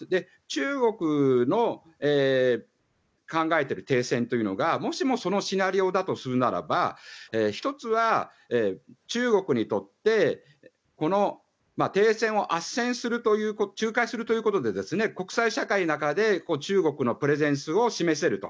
中国の考えている停戦というのがもしもそのシナリオだとするならば１つは中国にとってこの停戦を仲介するということで国際社会の中で中国のプレゼンスを示せると。